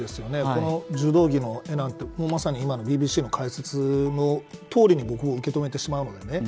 この柔道着の絵なんてまさに今のＢＢＣの解説のとおりに僕は受け止めてしまうのでね。